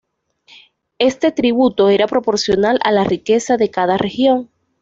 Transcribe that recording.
Este tributo era proporcional a la riqueza de cada región.